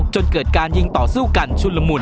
จนเกิดการยิงต่อสู้กันชุนละมุน